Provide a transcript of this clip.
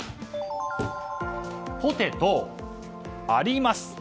ポテト、あります！